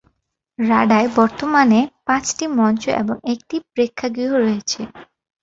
রাডায় বর্তমানে পাঁচটি মঞ্চ ও একটি প্রেক্ষাগৃহ রয়েছে।